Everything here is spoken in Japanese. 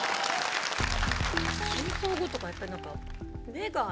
戦争後とかやっぱり何か目が。